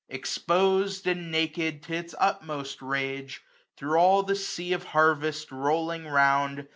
Exposed, and naked, to its utmost rage, 325 Thro' all the sea of harvest rolling round.